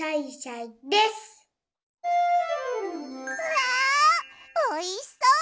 わあおいしそう！